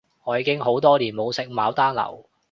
我已經好多年冇食牡丹樓